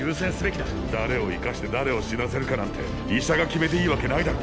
誰を生かして誰を死なせるかなんて医者が決めていいわけないだろ。